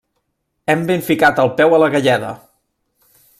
Hem ben ficat el peu a la galleda.